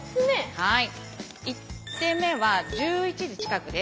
１手目は１１時近くです。